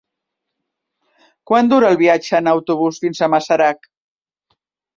Quant dura el viatge en autobús fins a Masarac?